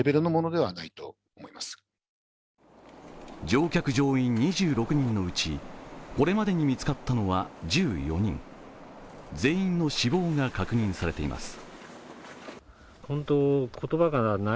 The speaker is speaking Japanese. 乗客・乗員２６名のうちこれまでに見つかったのは１４人、全員の死亡が確認されています。